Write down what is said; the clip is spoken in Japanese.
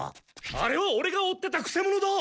あれはオレが追ってたくせ者だ！